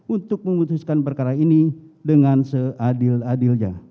untuk memutuskan perkara ini dengan seadil adilnya